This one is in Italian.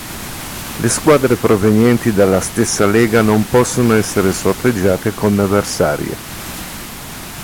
Le squadre provenienti dalla stessa lega non possono essere sorteggiate come avversarie.